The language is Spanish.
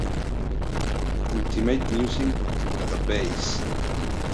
Ultimate Music Database.